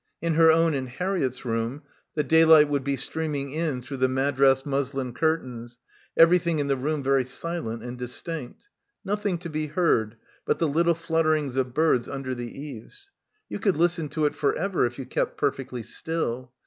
In her own and Harriett's room the daylight would be streaming in through the Madras muslin curtains, everything in the room very silent and distinct; nothing to be heard but the little flutterings of birds under the eaves. You could listen to it for ever if you kept perfectly still.